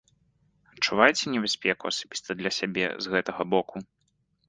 Адчуваеце небяспеку асабіста для сябе з гэтага боку?